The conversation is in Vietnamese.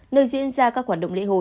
nơi diễn ra các hoạt động lễ hội